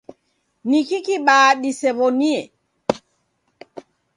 Niki kibaa disew'onie.